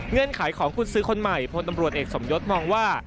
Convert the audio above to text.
เนื่องขายของกูลซื้อคนใหม่พวนดำรวจเอกสมยดมองว่า